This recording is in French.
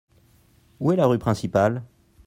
Où est la rue principale ?